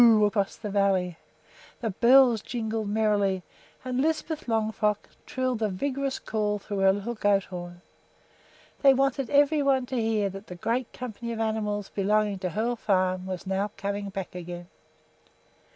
across the valley; the bells jingled merrily; and Lisbeth Longfrock trilled a vigorous call through her little goat horn. They wanted every one to hear that the great company of animals belonging to Hoel Farm was now coming back again.